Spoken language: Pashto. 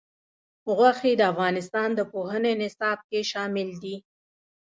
غوښې د افغانستان د پوهنې نصاب کې شامل دي.